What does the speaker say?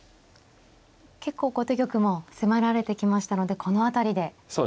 結構後手玉も迫られてきましたのでこの辺りで。